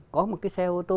có một cái xe ô tô